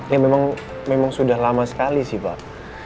ya memang sudah lama sekali sih pak